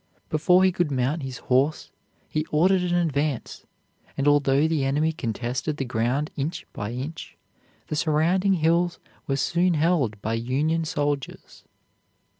Before he could mount his horse he ordered an advance, and although the enemy contested the ground inch by inch, the surrounding hills were soon held by Union soldiers.